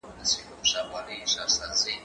زه به سبا بازار ته ولاړ سم؟